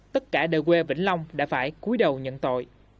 tất cả đều quê vĩnh long đã phải cuối đầu nhận tội